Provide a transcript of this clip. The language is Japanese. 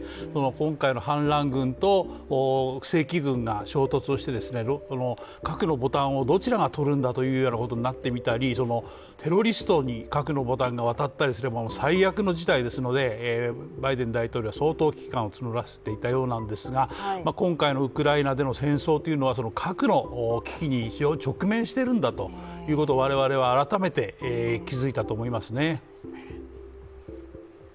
今回の反乱軍と正規軍が衝突をして、核のボタンをどちらがとるんだろうということになってみたりテロリストに核のボタンが渡ったりすればもう最悪の事態ですので、バイデン大統領は相当危機感を募らせていたようなんですが今回のウクライナでの戦争というのは核の危機に非常に直面しているんだということに我々は改めて気付いたと思いますね。